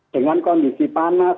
dengan kondisi panas